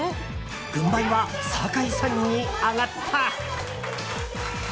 軍配は坂井さんに上がった。